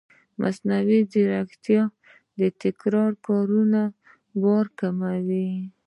مصنوعي ځیرکتیا د تکراري کارونو بار کموي.